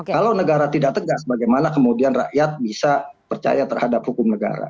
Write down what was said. kalau negara tidak tegas bagaimana kemudian rakyat bisa percaya terhadap hukum negara